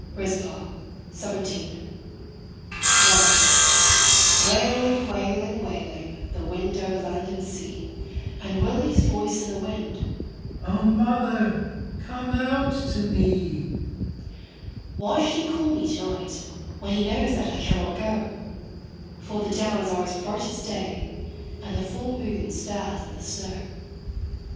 JEAN INGELOW. RIZPAH. 17 . I. Wailing, wailing, wailing, the wind over land and sea And Willy's voice in the wind, "O mother, come out to me." Why should he call me to night, when he knows that I cannot go? For the downs are as bright as day, and the full moon stares at the snow.